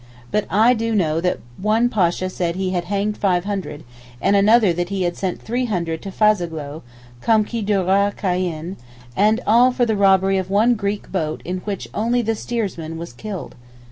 But I do know that one Pasha said he had hanged five hundred, and another that he had sent three hundred to Fazoghlou (comme qui dirait Cayenne) and all for the robbery of one Greek boat in which only the steersman was killed.